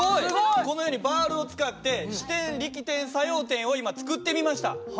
このようにバールを使って支点力点作用点を今作ってみました。